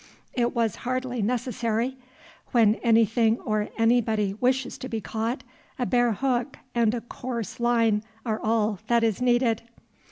It was hardly necessary: when anything or anybody wishes to be caught, a bare hook and a coarse line are all that is needed.